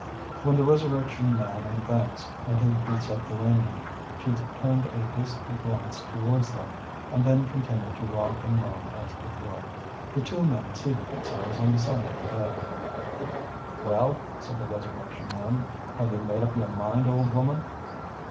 When the Resurrection Man and Banks entered the subterranean, she turned a hasty glance towards them, and then continued to rock and moan as before. The two men seated themselves on the side of the bed. "Well," said the Resurrection Man, "have you made up your mind, old woman?